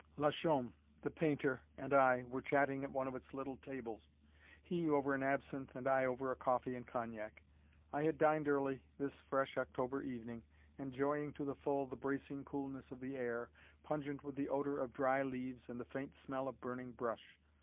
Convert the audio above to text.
Lachaume, the painter, and I were chatting at one of its little tables, he over an absinthe and I over a coffee and cognac. I had dined early this fresh October evening, enjoying to the full the bracing coolness of the air, pungent with the odor of dry leaves and the faint smell of burning brush.